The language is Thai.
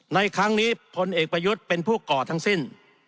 ในครั้งนี้พลเอกประยุทธ์เป็นผู้ก่อทั้งสิ้น